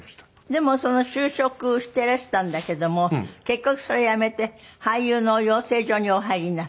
でもその就職していらしたんだけども結局それ辞めて俳優の養成所にお入りになった？